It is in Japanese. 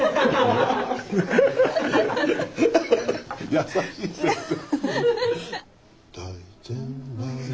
優しい先生。